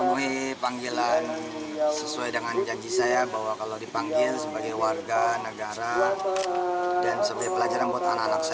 ustaz yusuf mansur pemasaran perumahan